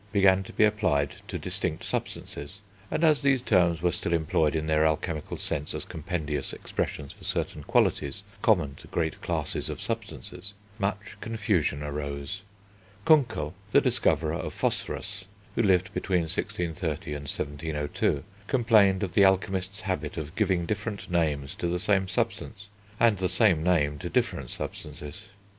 began to be applied to distinct substances, and as these terms were still employed in their alchemical sense as compendious expressions for certain qualities common to great classes of substances, much confusion arose. Kunckel, the discoverer of phosphorus, who lived between 1630 and 1702, complained of the alchemists' habit of giving different names to the same substance, and the same name to different substances.